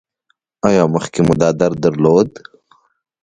ایا مخکې مو دا درد درلود؟